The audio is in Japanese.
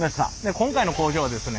今回の工場はですね